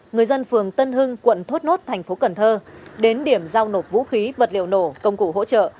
người dân phường tân hưng quận thốt nốt tp cn đến điểm giao nộp vũ khí vật liệu nổ công cụ hỗ trợ